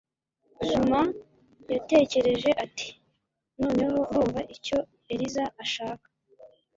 xuma yatekereje ati noneho ndumva icyo eliza ashaka